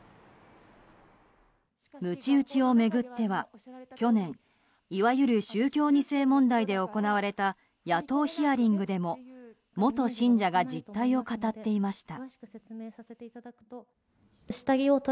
鞭打ちを巡っては去年、いわゆる宗教２世問題で行われた野党ヒアリングでも元信者が実態を語っていました。